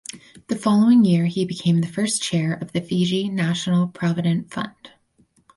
The following year he became the first chair of the Fiji National Provident Fund.